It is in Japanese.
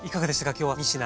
今日は３品。